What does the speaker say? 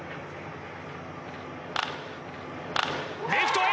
レフトへ！